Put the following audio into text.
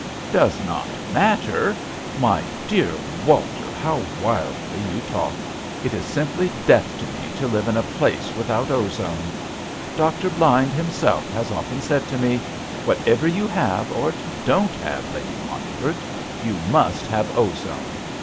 '' Does not matter I My dear Walter, how wildly you talk ! It is simply death to me to live in a place without ozone. Dr. Blind himself has often said to me, * Whatever you have, or don't have, Lady Montford, you must have ozone.'